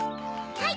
はい！